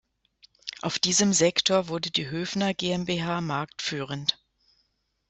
Auf diesem Sektor wurde die Höfner GmbH marktführend.